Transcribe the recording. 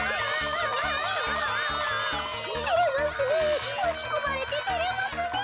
てれますねえまきこまれててれますねえ。